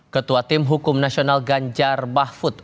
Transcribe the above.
ketua tim hukum nasional ganjar mahfud